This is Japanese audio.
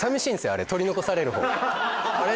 あれ取り残されるほうあれ？